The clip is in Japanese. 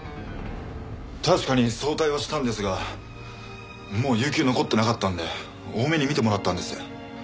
確かに早退はしたんですがもう有休残ってなかったんで大目に見てもらったんです。